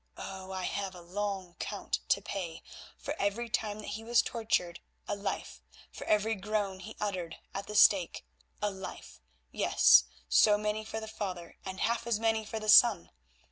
Oh! I have a long count to pay; for every time that he was tortured a life, for every groan he uttered at the stake a life; yes, so many for the father and half as many for the son.